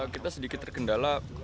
kita sedikit terkendala